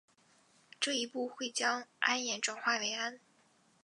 这一步会将铵盐转化成氨。